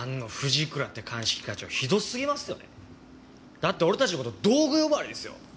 だって俺たちの事道具呼ばわりですよ！？